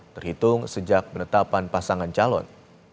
terhitung sejak penetapan pasangan calon